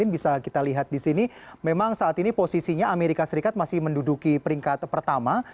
bisa kita lihat di sini memang saat ini posisinya amerika serikat masih menduduki peringkat pertama